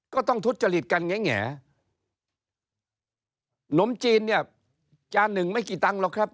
ทุจริตกันแงนมจีนเนี่ยจานหนึ่งไม่กี่ตังค์หรอกครับ